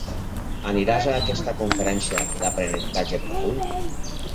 Aniràs a aquesta conferència d'aprenentatge profund?